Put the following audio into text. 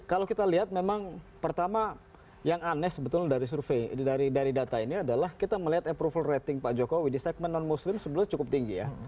kalau kita lihat memang pertama yang aneh sebetulnya dari survei dari data ini adalah kita melihat approval rating pak jokowi di segmen non muslim sebenarnya cukup tinggi ya